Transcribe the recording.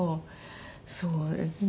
そうですね。